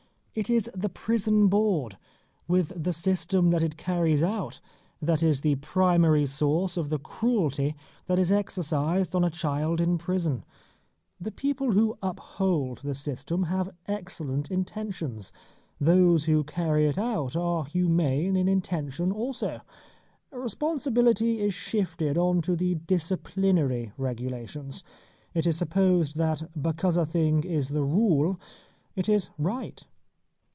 It is the Prison Board, with the system that it carries out, that is the primary source of the cruelty that is exercised on a child in prison. The people who uphold the system have excellent intentions. Those who carry it out are humane in intention also. Responsibility is shifted on to the disciplinary regulations. It is supposed that because a thing is the rule it is right.